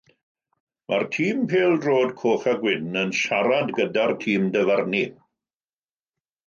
Mae'r tîm pêl-droed coch a gwyn yn siarad gyda'r tîm dyfarnu.